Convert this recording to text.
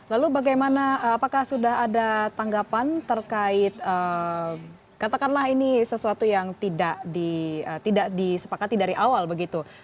lalu bagaimana apakah sudah ada tanggapan terkait katakanlah ini sesuatu yang tidak disepakati dari awal begitu